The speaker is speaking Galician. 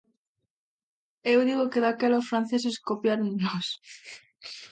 Eu digo que daquela os franceses copiaron de nós.